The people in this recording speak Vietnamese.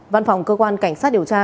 văn phòng cơ quan cảnh sát điều tra